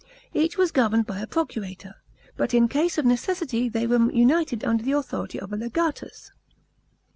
Each was governed by a procurator; but in case of necessity they were united under the authority of a legatus.